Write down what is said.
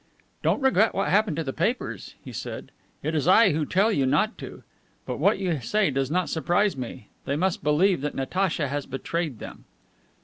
"Don't regret what happened to the papers," he said. "It is I who tell you not to. But what you say doesn't surprise me. They must believe that Natacha has betrayed them."